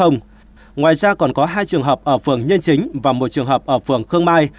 ngoài ra còn có hai trường hợp ở phường nhân chính và một trường hợp ở phường khương mai